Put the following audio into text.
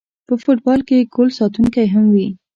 په فوټبال کې ګول ساتونکی هم وي